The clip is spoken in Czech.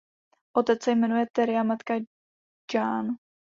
Otec se jmenuje Terry a matka Jean.